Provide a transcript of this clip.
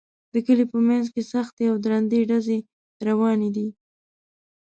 د کلي په منځ کې سختې او درندې ډزې روانې دي